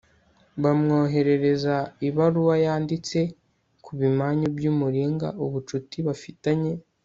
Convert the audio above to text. bamwoherereza ibaruwa yanditse ku bimanyu by'umuringa ubucuti bafitanye